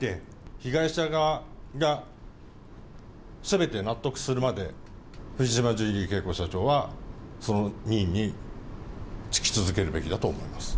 被害者側がすべて納得するまで、藤島ジュリー景子社長はその任に就き続けるべきだと思います。